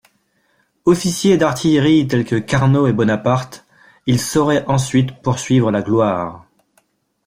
Officier d'artillerie tel que Carnot et Bonaparte, il saurait ensuite poursuivre la gloire.